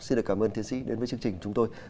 xin cảm ơn thiên sĩ đến với chương trình chúng tôi